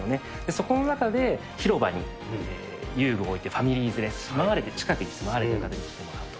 そこの中で広場に遊具を置いて、ファミリー連れ、近くに住まわれてる方に来てもらうと。